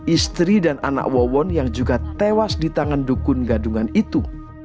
istri dan anak wawon yang juga tewas di tangan dukun gadungan itu